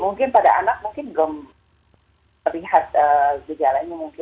mungkin pada anak mungkin belum terlihat gejalanya mungkin